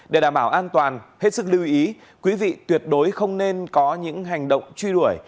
để đảm bảo an toàn hết sức lưu ý quý vị tuyệt đối không nên có những hành động truy đuổi